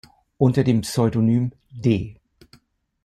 Unter dem Pseudonym „D.